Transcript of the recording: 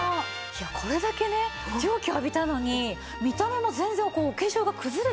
いやこれだけね蒸気を浴びたのに見た目も全然お化粧が崩れてないのが。